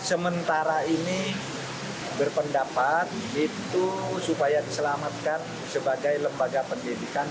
sementara ini berpendapat itu supaya diselamatkan sebagai lembaga pendidikan